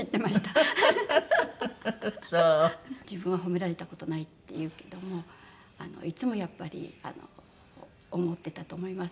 自分は褒められた事ないって言うけどもいつもやっぱり思ってたと思います